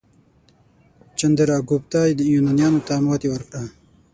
چندراګوپتا یونانیانو ته ماتې ورکړه.